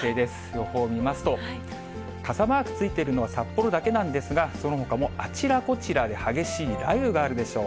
予報見ますと、傘マークついてるのは札幌だけなんですが、そのほかもあちらこちらで激しい雷雨があるでしょう。